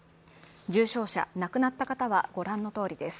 重症者、亡くなった方は御覧のとおりです。